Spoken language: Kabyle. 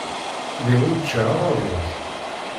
Lliɣ ur ččiɣ ara rruẓ.